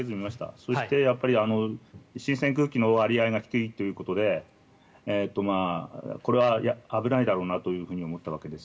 そして、新鮮な空気の割合が低いということでこれは危ないだろうなと思ったわけです。